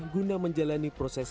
guna menjalani proses evakuasi